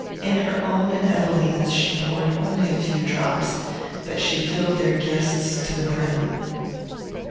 In her own and Evelina's she poured only a few drops, but she filled their guest's to the brim.